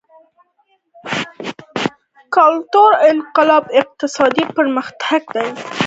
کلتوري انقلاب اقتصادي پرمختګ وځنډاوه.